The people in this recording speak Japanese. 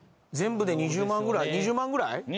全部で２０万ぐらい２０万ぐらい？